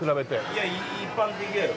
いや一般的だよ。